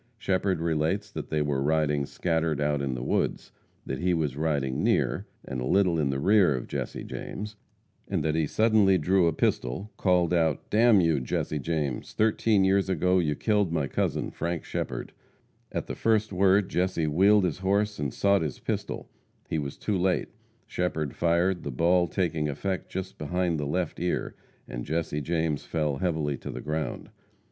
Shepherd relates that they were riding scattered out in the woods; that he was riding near, and a little in the rear of Jesse James; that he suddenly drew a pistol, called out, "Damn you, Jesse James! thirteen years ago you killed my cousin, Frank Shepherd." At the first word Jesse wheeled his horse and sought his pistol. He was too late. Shepherd fired, the ball taking effect just behind the left ear, and Jesse James fell heavily to the ground.